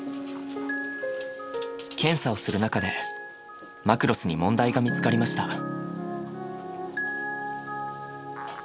検査をする中でマクロスに問題が見つかりました。